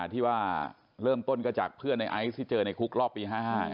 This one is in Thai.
ที่ว่าเริ่มต้นก็จากเพื่อนในไอซ์ที่เจอในคุกรอบปี๕๕